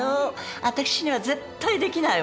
あたくしには絶対できないわ。